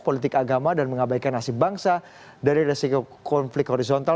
politik agama dan mengabaikan nasib bangsa dari resiko konflik horizontal